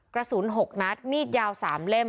กระสุน๖นัดมีดยาว๓เล่ม